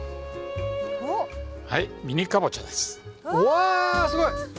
わすごい！